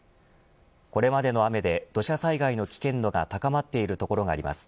これまでの雨で土砂災害の危険度が高まっている所があります。